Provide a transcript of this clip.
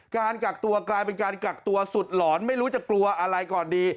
การกักตัวกลายเป็นการกักตัวสุดหลอนไม่รู้จะกลัวอะไรก่อนดี